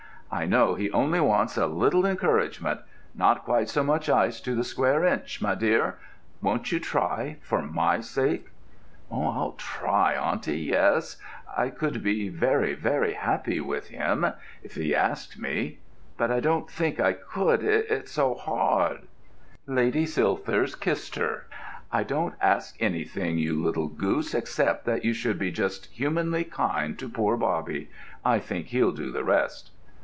"I know he only wants a little encouragement—not quite so much ice to the square inch, my dear! Won't you try, for my sake?" "I'll try, auntie, yes: I could be very, very happy with him—if he asked me: but I don't think I could—it's so hard——" Lady Silthirsk kissed her. "I don't ask anything, you little goose, except that you should be just humanly kind to poor Bobby—I think he'll do the rest!"